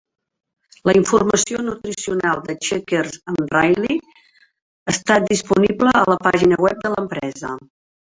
La informació nutricional de Checkers and Rally està disponible a la pàgina web de l'empresa.